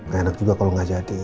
gak enak juga kalau nggak jadi